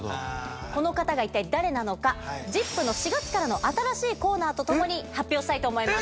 この方が一体誰なのか『ＺＩＰ！』の４月からの新しいコーナーとともに発表したいと思います。